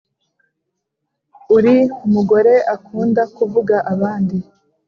uri mugore akunda kuvuga abandi